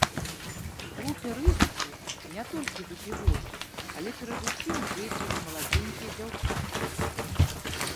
У групе рызыкі не толькі выпівохі, але перадусім дзеці і маладзенькія дзяўчаты.